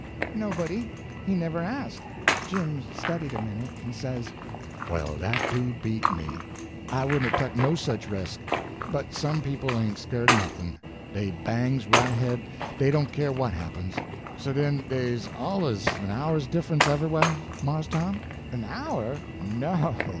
"Nobody. He never asked." Jim studied a minute, and says: "Well, dat do beat me. I wouldn't 'a' tuck no sich resk. But some people ain't scared o' nothin'. Dey bangs right ahead; dey don't care what happens. So den dey's allays an hour's diff'unce everywhah, Mars Tom?" "An hour? No!